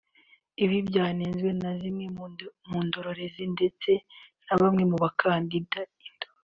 ibintu byanenzwe na zimwe mu ndorerezi ndetse na bamwe mu bakandida